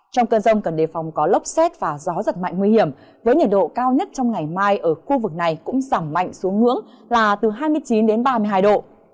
trong cơn rông cần đề phòng có lốc xét và gió giật mạnh nguy hiểm với nhiệt độ cao nhất trong ngày mai ở khu vực này cũng giảm mạnh xuống ngưỡng là từ hai mươi chín đến ba mươi hai độ